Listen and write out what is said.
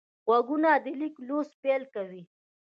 غوږونه د لیک لوست پیل کوي